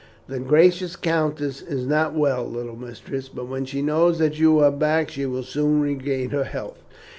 "The gracious countess is not well, little mistress, but when she knows that you are back, she will soon regain her health.